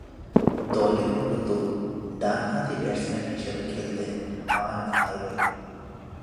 দলে মূলতঃ ডানহাতি ব্যাটসম্যান হিসেবে খেলতেন মার্ভ হার্ভে।